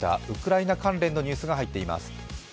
ウクライナ関連のニュースが入っています。